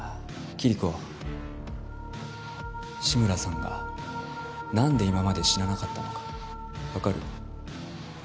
キリコ志村さんが何で今まで死ななかったのか分かる？